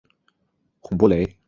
孔布雷。